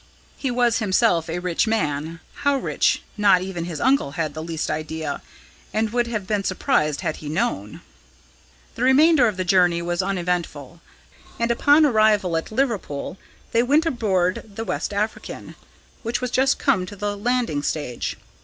He was himself a rich man, how rich not even his uncle had the least idea, and would have been surprised had he known. The remainder of the journey was uneventful, and upon arrival at Liverpool they went aboard the West African, which had just come to the landing stage.